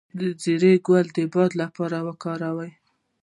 د زیرې ګل د باد لپاره وکاروئ